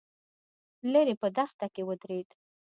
ليرې په دښته کې ودرېد.